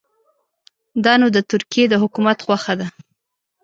دا نو د ترکیې د حکومت خوښه ده.